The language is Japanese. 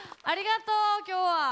ありがとう今日は。